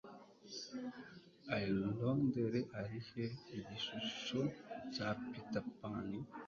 I Londere Ari he Igishusho cya Peter Pan?